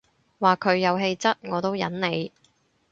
話佢有氣質我都忍你